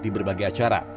di berbagai acara